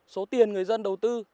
số tiền người dân đầu tư